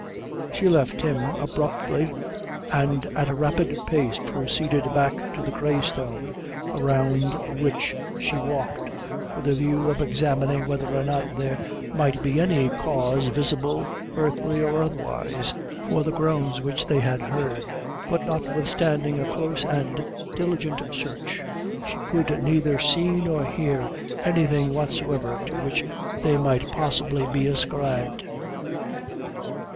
She left him abruptly, and at a rapid pace proceeded back to the Grey Stone, around which she walked, with a view of examining whether or not there might be any cause visible, earthly or otherwise, for the groans which they had heard; but notwithstanding a close and diligent search, she could neither see nor hear anything whatsoever to which they might possibly be ascribed.